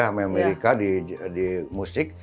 sama amerika di musik